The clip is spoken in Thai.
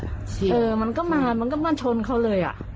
ใช่มันก็มามันก็มันชนเขาเลย